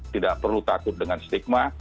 tidak perlu takut dengan stigma